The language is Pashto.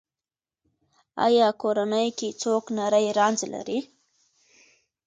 ایا کورنۍ کې څوک نری رنځ لري؟